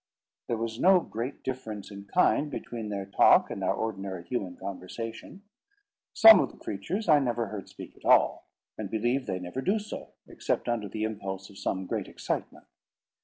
There was no great difference in kind between their talk and our ordinary human conversation. Some of the creatures I never heard speak at all, and believe they never do so, except under the impulse of some great excitement.